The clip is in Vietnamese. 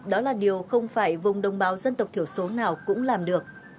đó là điều không phải vùng đồng bào dân tộc thiểu số nào cũng làm được